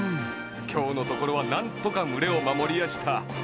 きょうのところはなんとかむれをまもりやした。